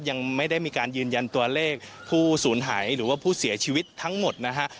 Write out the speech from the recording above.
ยังไม่ได้มีการยืนยันตัวเลขผู้สูญหายหรือว่าผู้เสียชีวิตทั้งหมดนะฮะ